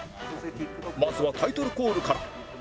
まずはタイトルコールから